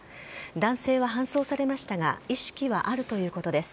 男性は搬送されましたが意識はあるということです。